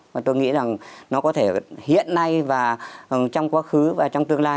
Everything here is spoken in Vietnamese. mà tôi nghĩ rằng nó có thể hiện nay và trong quá khứ và trong tương lai